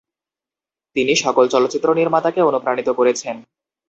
তিনি সকল চলচ্চিত্র নির্মাতাকে অনুপ্রাণিত করেছেন।